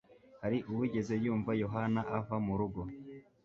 Hari uwigeze yumva Yohana ava mu rugo